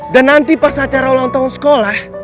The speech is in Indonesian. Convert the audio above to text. dan nanti pas acara ulang tahun sekolah